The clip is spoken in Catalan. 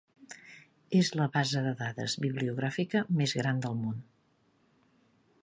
És la base de dades bibliogràfica més gran del món.